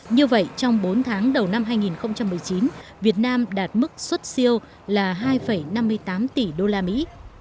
như vậy trong bốn tháng đầu năm hai nghìn một mươi chín việt nam đạt mức xuất siêu là hai năm mươi tám tỷ đô la mỹ